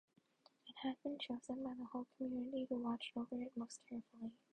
It had been chosen by the whole community, who watched over it most carefully.